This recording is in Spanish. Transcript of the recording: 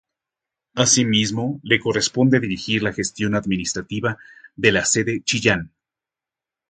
Asimismo, le corresponde dirigir la gestión administrativa de la sede Chillán.